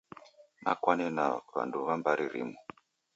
Nakwane na w'andu w'a mbari rimu.